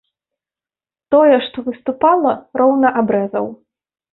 Тое, што выступала, роўна абрэзаў.